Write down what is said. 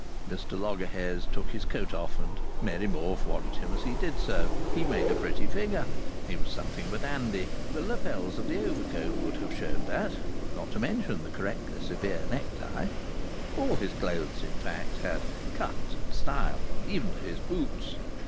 Mr Loggerheads took his coat off, and Mary Morfe watched him as he did so. He made a pretty figure. He was something of a dandy. The lapels of the overcoat would have showed that, not to mention the correctly severe necktie. All his clothes, in fact, had "cut and style," even to his boots.